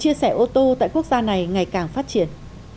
chia sẻ ô tô tại quốc gia này ngày càng phát triển